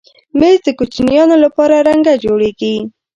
مېز د کوچنیانو لپاره رنګه جوړېږي.